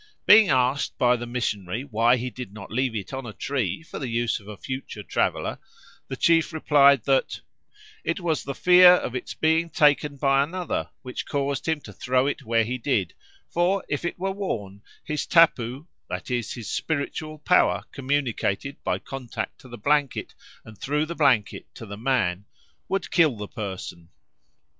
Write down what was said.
Being asked by the missionary why he did not leave it on a tree for the use of a future traveller, the chief replied that "it was the fear of its being taken by another which caused him to throw it where he did, for if it were worn, his tapu" (that is, his spiritual power communicated by contact to the blanket and through the blanket to the man) "would kill the person."